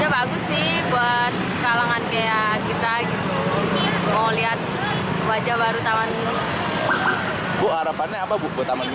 bagus sih buat kalangan kayak kita gitu mau lihat wajah baru taman ini